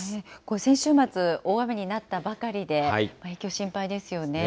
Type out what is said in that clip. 先週末、大雨になったばかりで影響、心配ですよね。